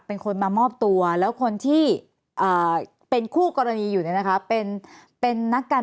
เป็นคนมามอบตัวแล้วคนที่เป็นคู่กรณีอยู่เนี่ยนะคะเป็นนักการ